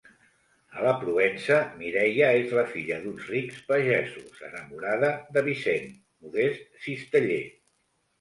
A la Provença, Mireia és la filla d'uns rics pagesos, enamorada de Vicent, modest cisteller.